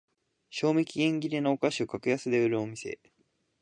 賞味期限切れのお菓子を格安で売るお店